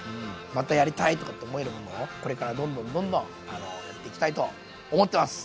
またやりたい！とかって思えるものをこれからどんどんどんどんやっていきたいと思ってます！